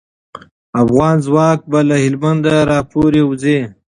افغان ځواک به له هلمند راپوری وځي.